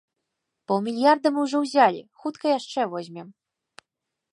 Паўмільярда мы ўжо ўзялі, хутка яшчэ возьмем.